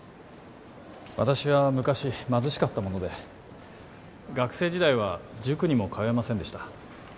私は昔貧しかったもので学生時代は塾にも通えませんでした